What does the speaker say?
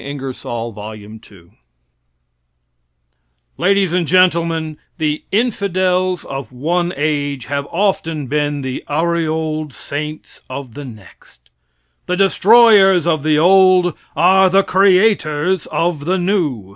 Ingersoll's Lecture on Voltaire Ladies and Gentlemen: The infidels of one age have often been the aureoled saints of the next. The destroyers of the old are the creators of the new.